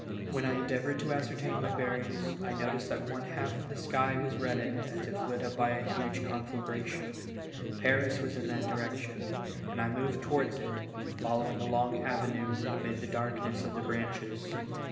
When I endeavored to ascertain my bearings, I noticed that one half of the sky was reddened as if lit up by a huge conflagration ; Paris was in that direction, and I moved towards it, fol lowing a long avenue, amid the darkness of the branches.